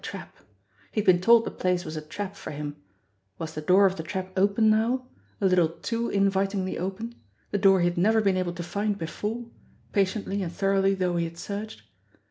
A trap. He had been told the place was a trap for him. Was the door of the trap open now a little too invitingly openthe door he had never been able to find before, patiently and thoroughly though he had searched